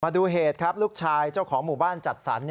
ดูเหตุครับลูกชายเจ้าของหมู่บ้านจัดสรร